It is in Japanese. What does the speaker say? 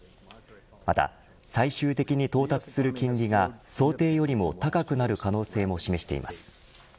また最終的に到達する金利が想定よりも高くなる可能性も示しています。